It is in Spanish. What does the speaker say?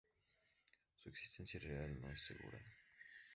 Su existencia real no es segura.